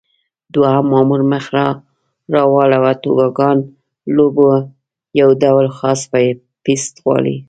دوهم مامور مخ را واړاوه: توبوګان لوبه یو ډول خاص پېست غواړي.